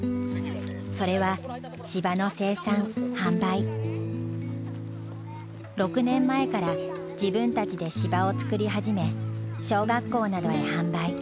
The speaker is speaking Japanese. それは６年前から自分たちで芝を作り始め小学校などへ販売。